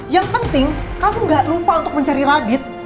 yang penting kamu gak lupa untuk mencari radit